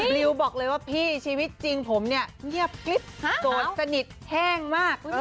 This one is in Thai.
ลิวบอกเลยว่าพี่ชีวิตจริงผมเนี่ยเงียบกริ๊บโสดสนิทแห้งมาก